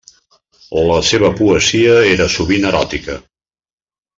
La seva poesia era sovint eròtica.